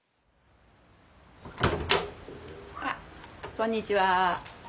こんにちは。